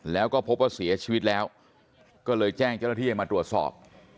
แล้วก็พบว่าเสียชีวิตแล้วก็เลยแจ้งเจ้าหน้าที่ให้มาตรวจสอบ